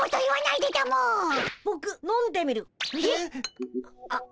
えっ。